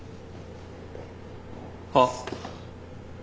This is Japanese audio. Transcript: あっ。